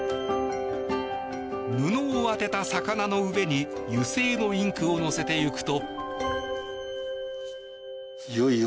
布を当てた魚の上に油性のインクを乗せていくと。